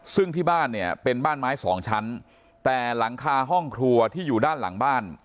ซึ่งที่บ้านเนี่ยเป็นบ้านไม้สองชั้นแต่หลังคาห้องครัวที่อยู่ด้านหลังบ้าน